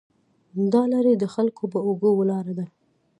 دا لړۍ د خلکو په اوږو ولاړه ده.